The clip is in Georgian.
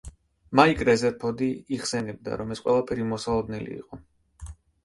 მაიკ რეზერფორდი იხსენებდა, რომ ეს ყველაფერი მოსალოდნელი იყო.